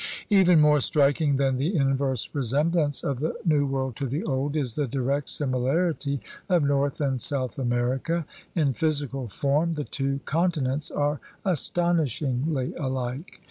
Even more striking than the inverse resemblance of the New World to the Old is the direct similarity of North and South America. In physical form the two continents are astonishingly alike.